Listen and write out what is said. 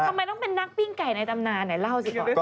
ทำไมต้องเป็นนักปิ้งไก่ในตำนานไหนเล่าสิก่อน